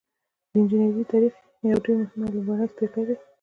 د انجنیری تاریخ یو ډیر مهم او لومړنی څپرکی دی.